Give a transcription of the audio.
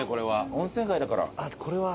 温泉街だから。